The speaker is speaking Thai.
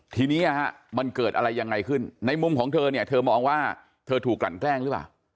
ทีนี้มันเกิดอะไรยังไงขึ้นในมุมของเธอเนี่ยเธอมองว่าเธอถูกกลั่นแกล้งหรือเปล่า